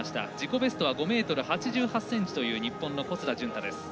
自己ベストは５ｍ８８ｃｍという日本の小須田潤太です。